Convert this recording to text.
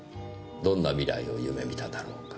どんな未来を夢見ただろうか」